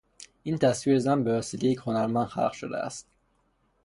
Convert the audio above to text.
این تصویر زن بوسیله یک هنرمند خلق شده است.